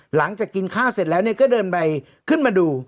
หลังจากกินข้าวเสร็จแล้วก็เดินไปขึ้นมาดู